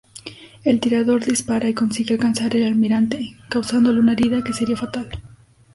El tirador dispara y consigue alcanzar al almirante, causándole una herida que sería fatal.